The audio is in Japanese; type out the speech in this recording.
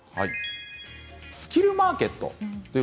スキルマーケット。